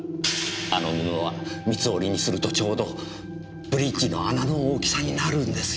あの布は三つ折にするとちょうどブリッジの穴の大きさになるんですよ。